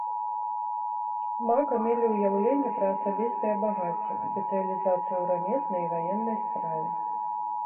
Мака мелі ўяўленне пра асабістае багацце, спецыялізацыю ў рамеснай і ваеннай справе.